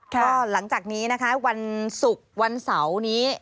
ก็หลังจากนี้นะคะวันศุกร์วันเสาร์นี้